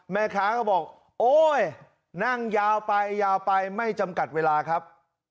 แม่ค้าก็บอกโอ๊ยนั่งยาวไปยาวไปไม่จำกัดเวลาครับ